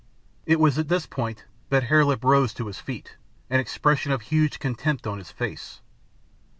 It was at this point that Hare Lip rose to his feet, an expression of huge contempt on his face.